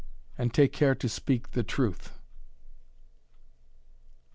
And take care to speak the truth!"